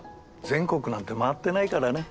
全国なんて回ってないからね。